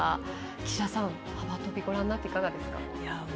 岸田さん、幅跳びご覧になっていかがですか？